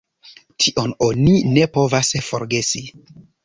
Tion oni ne povas forgesi.